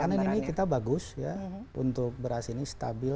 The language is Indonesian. panen ini kita bagus ya untuk beras ini stabil